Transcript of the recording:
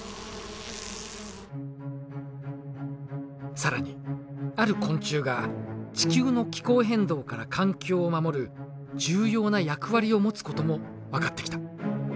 更にある昆虫が地球の気候変動から環境を守る重要な役割を持つことも分かってきた。